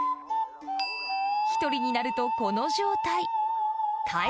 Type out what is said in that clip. １人になるとこの状態。